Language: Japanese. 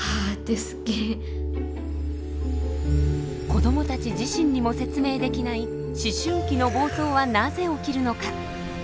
子どもたち自身にも説明できない思春期の暴走はなぜ起きるのか。